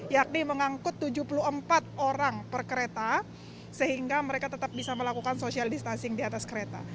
yakni mengangkut tujuh puluh empat orang per kereta sehingga mereka tetap bisa melakukan social distancing di atas kereta